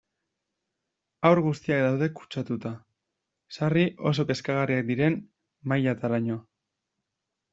Haur guztiak daude kutsatuta, sarri oso kezkagarriak diren mailataraino.